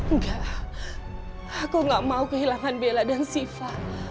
enggak aku gak mau kehilangan bella dan siva